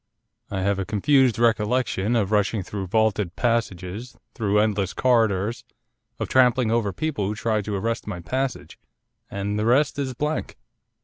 I have a confused recollection of rushing through vaulted passages, through endless corridors, of trampling over people who tried to arrest my passage, and the rest is blank.